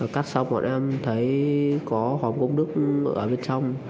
cắt xong bọn em thấy có hòm công đức ở bên trong